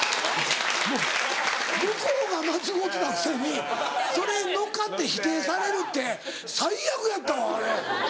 向こうが間違うてたくせにそれに乗っかって否定されるって最悪やったわあれ。